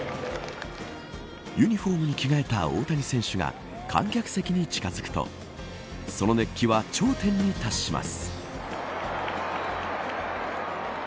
ユニホームに着替えた大谷選手が観客席に近づくとその熱気は頂点に達します。